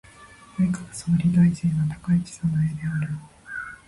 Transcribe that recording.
内閣総理大臣は高市早苗である。